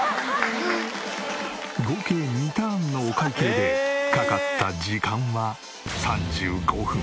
合計２ターンのお会計でかかった時間は３５分。